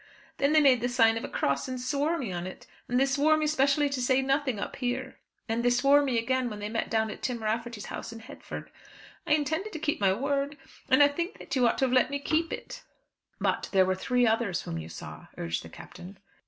Then they made the sign of a cross, and swore me on it. And they swore me specially to say nothing up here. And they swore me again when they met down at Tim Rafferty's house in Headford. I intended to keep my word, and I think that you ought to have let me keep it." "But there were three others whom you saw," urged the Captain.